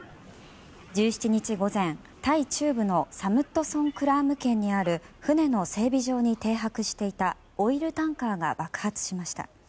１７日午前、タイ中部のサムットソンクラーム県にある船の整備場に停泊していたオイルタンカーが爆発しました。